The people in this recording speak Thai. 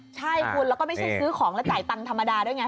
ใช่คุณแล้วก็ไม่ใช่ซื้อของแล้วจ่ายตังค์ธรรมดาด้วยไง